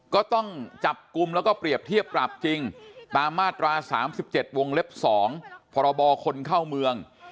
ก็ต้องจับกลุ่มแล้วก็เปรียบเทียบปรับจริงตามมาตรา๓๗วงเล็บ๒พรบคนเข้าเมือง